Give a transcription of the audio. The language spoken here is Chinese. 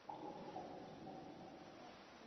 车站并设有两条轨道。